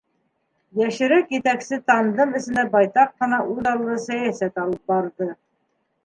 Йәшерәк етәксе тандем эсендә байтаҡ ҡына үҙаллы сәйәсәт алып барҙы.